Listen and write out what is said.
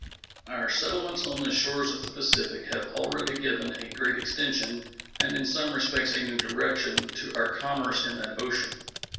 Our settlements on the shores of the Pacific have already given a great extension, and in some respects a new direction, to our commerce in that ocean.